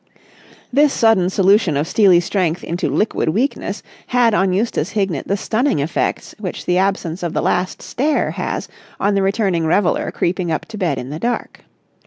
This sudden solution of steely strength into liquid weakness had on Eustace Hignett the stunning effects which the absence of the last stair has on the returning reveller creeping up to bed in the dark.